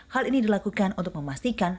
hal ini dilakukan untuk memastikan